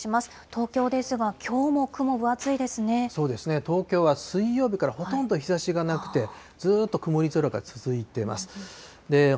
東京ですが、きょうも雲、そうですね、東京は水曜日からほとんど日ざしがなくて、ずっと曇り空が続いてます。